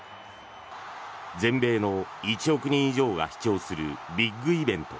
全米の１億人以上が視聴するビッグイベント。